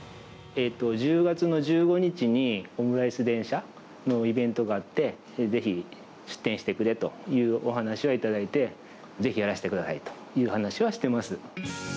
１０月の１５日にオムライス電車のイベントがあって、ぜひ出店してくれというお話を頂いて、ぜひやらせてくださいっていう話はしてます。